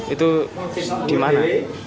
itu di mana